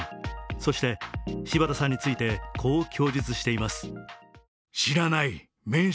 そして、柴田さんについてこう供述しています。